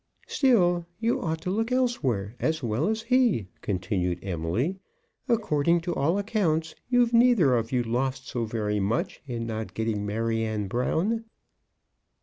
"So you ought to look elsewhere as well as he," continued Emily. "According to all accounts, you've neither of you lost so very much in not getting Maryanne Brown."